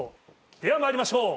ではまいりましょう！